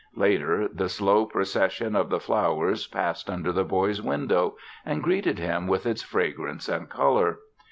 Later the slow procession of the flowers passed under the boy's window and greeted him with its fragrance and color.